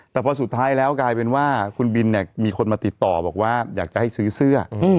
แต่พอสุดท้ายแล้วกลายเป็นว่าคุณบินเนี่ยมีคนมาติดต่อบอกว่าอยากจะให้ซื้อเสื้อ